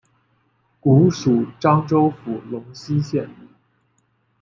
古属漳州府龙溪县。